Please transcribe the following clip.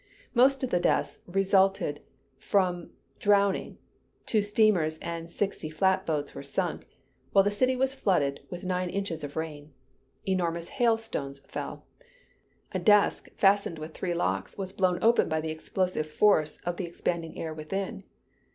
Most of the deaths resulted from drowning; two steamers and sixty flatboats were sunk, while the city was flooded with nine inches of rain. Enormous hail stones fell. A desk fastened with three locks, was blown open by the explosive force of the expanding air within.